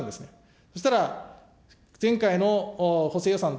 そうしたら、前回の補正予算のと